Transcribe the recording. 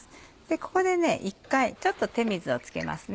ここで１回ちょっと手水をつけます。